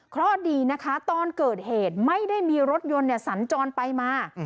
เพราะดีนะคะตอนเกิดเหตุไม่ได้มีรถยนต์สัญจรไปมา